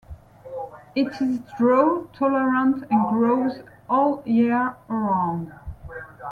It is drought-tolerant, and grows all year around.